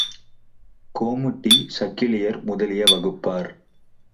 கோமுட்டி, சக்கிலியர் முதலிய வகுப்பார்